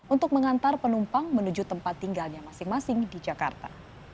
untuk mengantar penumpang menuju tempat tinggalnya masing masing di jakarta